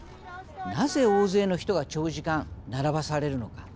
なぜ大勢の人が長時間並ばされるのか。